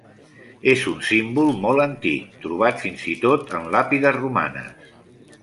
És un símbol molt antic, trobat fins i tot en làpides romanes.